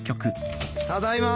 ただいま。